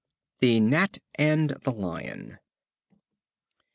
The Gnat and the Lion.